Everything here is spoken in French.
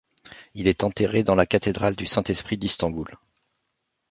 Il est enterré dans la cathédrale du Saint-Esprit d'Istanbul.